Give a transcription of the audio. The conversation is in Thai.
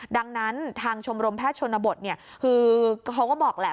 ดังนั้นทางชมรมแพทย์ชนบทคือเขาก็บอกแหละ